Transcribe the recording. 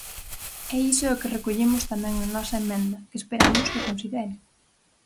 E iso é o que recollemos tamén na nosa emenda, que esperamos que considere.